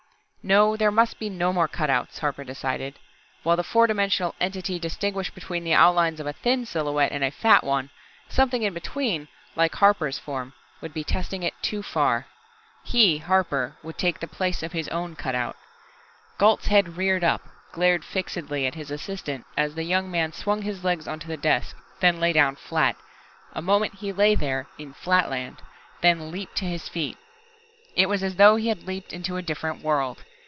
No, there must be no more cutouts, Harper decided. While the four dimensional entity distinguished between the outlines of a thin silhouette and a fat one, something in between, like Harper's form, would be testing It too far. He, Harper would take the place of his own cutout! Gault's head reared up, glared fixedly at his assistant as the young man swung his legs onto the desk, then lay down flat. A moment he lay there, in "Flatland" then leaped to his feet. It was as though he had leaped into a different world.